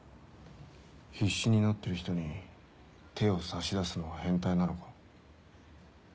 必死になってる人に手を差し出すのは変態なのか？